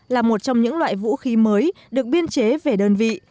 là một trong những loại vũ khí mới được biên chế về đơn vị